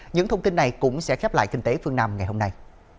những thông tin này cũng sẽ khép lại kinh tế phương nam ngày hôm nay